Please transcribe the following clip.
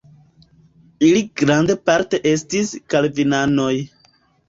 Ili grandparte estis kalvinanoj.